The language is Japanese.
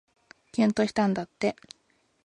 きゅんとしたんだって